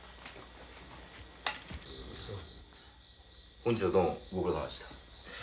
本日はどうもご苦労さまでした。